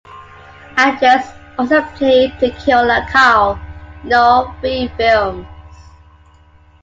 Andreas also played the killer, Karl, in all three films.